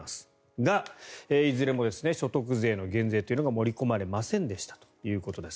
が、いずれも所得税の減税というのが盛り込まれませんでしたということです。